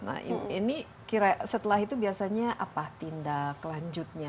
nah ini setelah itu biasanya apa tindak lanjutnya